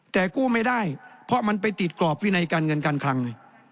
แต่กู้ไม่ได้เพราะมันไปติดกรอบวินัยการเงินการคลังไง